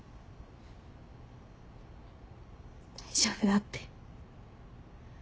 大丈夫だって。